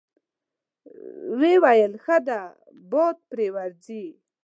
ویې ویل: ښه ده، باد پرې وځي.